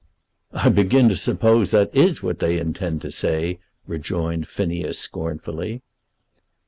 "I begin to suppose that is what they intend to say," rejoined Phineas, scornfully.